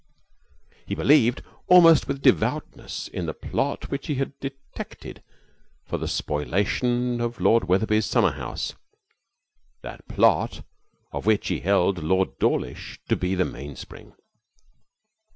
He believed almost with devoutness in the plot which he had detected for the spoliation of Lord Wetherby's summer house, that plot of which he held Lord Dawlish to be the mainspring.